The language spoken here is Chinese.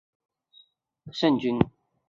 后唐设立左右护圣军。